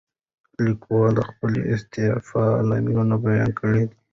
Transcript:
لیکوال د خپلې استعفا لاملونه بیان کړي دي.